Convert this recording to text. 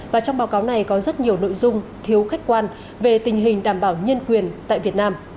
và trong báo cáo này có rất nhiều nội dung thiếu khách quan về tình hình đảm bảo nhân quyền tại việt nam